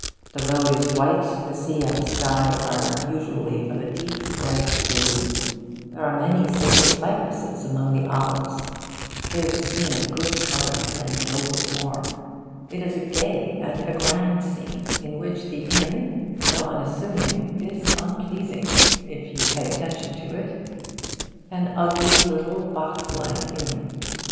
The road is white, the sea and sky are usually of a deep bright blue, there are many single cypresses among the olives. It is a scene of good colour and noble form. It is a gay and a grand scene, in which the inn, though unassuming, is unpleasing, if you pay attention to it. An ugly little box like inn.